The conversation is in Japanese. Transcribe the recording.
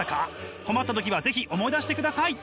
困った時は是非思い出してください！